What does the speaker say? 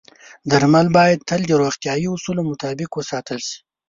درمل باید تل د روغتیايي اصولو مطابق وساتل شي.